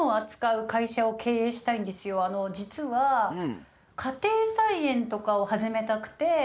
実は家庭菜園とかを始めたくて。